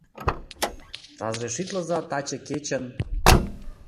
Разрешитлыза таче кечын